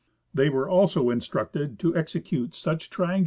They were also instructed to execute such triangula 25— Nat.